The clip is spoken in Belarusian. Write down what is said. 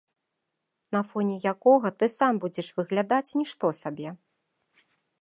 На фоне якога ты сам будзеш выглядаць нішто сабе.